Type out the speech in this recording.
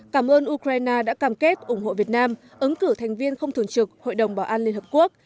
cảm ơn ukraine đã cam kết ủng hộ việt nam ứng cử thành viên không thường trực hội đồng bảo an liên hợp quốc